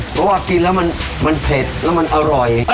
เพราะว่ากินแล้วมันเผ็ดแล้วมันอร่อย